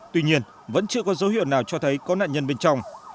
tuy nhiên vẫn chưa có dấu hiệu nào cho thấy có nạn nhân bên trong